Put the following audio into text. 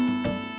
ada apa be